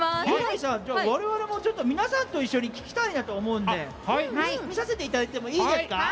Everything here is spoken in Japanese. われわれも皆さんと一緒に聴きたいなと思うんで見させていただいてもいいですか。